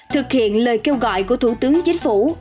thực hiện lời kêu gọi của thủ tướng chính phủ